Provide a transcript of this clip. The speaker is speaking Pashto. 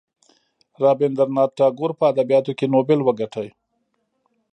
رابیندرانات ټاګور په ادبیاتو کې نوبل وګاټه.